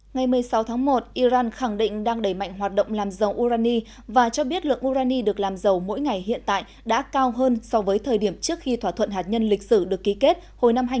ngày một mươi sáu tháng một iran khẳng định đang đẩy mạnh hoạt động làm dầu urani và cho biết lượng urani được làm giàu mỗi ngày hiện tại đã cao hơn so với thời điểm trước khi thỏa thuận hạt nhân lịch sử được ký kết hồi năm hai nghìn một mươi năm